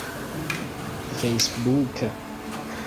fejsbuka